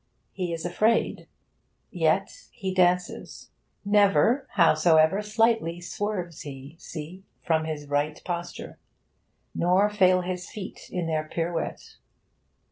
He is afraid. Yet he dances. Never, howsoever slightly, swerves he, see! from his right posture, nor fail his feet in their pirouette.